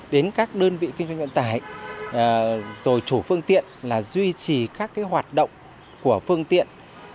thiết bị kinh doanh vận tải rồi chủ phương tiện là duy trì các hoạt động của phương tiện